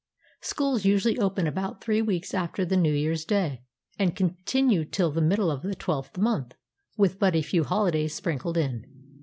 Schools usually open about three weeks after the New Year's Day, and continue till the middle of the twelfth month with but a few holidays sprinkled in.